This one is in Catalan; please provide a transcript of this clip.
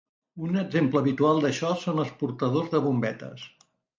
Un exemple habitual d'això són els portadors de bombetes.